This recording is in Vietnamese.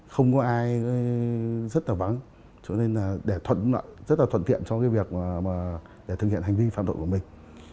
không có ai rất là vắng cho nên là để thuận rất là thuận tiện cho cái việc để thực hiện hành vi phạm đội của mình